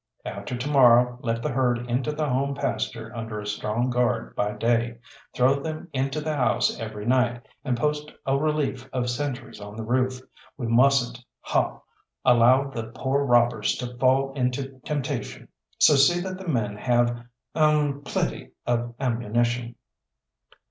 "After to morrow let the herd into the home pasture under a strong guard by day. Throw them into the house every night, and post a relief of sentries on the roof. We mustn't haw, allow the poor robbers to fall into temptation, so see that the men have er plenty of ammunition."